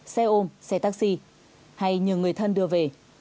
xe ôm xe taxi hay nhờ người thân đưa về